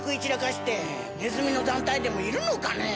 ネズミの団体でもいるのかね？